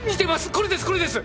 これですこれです！